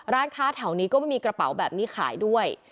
ร้านค้าแถวนี้ก็ไม่มีกระเป๋าแบบนี้ขายด้วย